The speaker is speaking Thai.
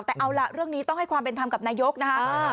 แต่เอาล่ะเรื่องนี้ต้องให้ความเป็นธรรมกับนายกนะคะ